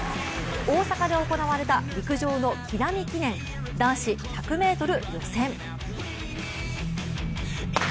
大阪で行われた陸上の木南記念、男子１００ｍ予選。